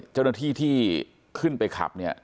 เจ้าหน้าที่ที่ขึ้นไปขับเนี่ย